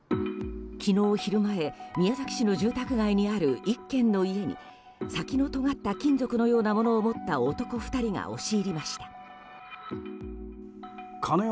昨日昼前、宮崎市の住宅街にある１軒の家に先のとがった金属のようなものを持った男２人が押し入りました。